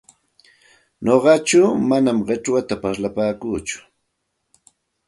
Nuqaku manam qichwata parlapaakuuchu,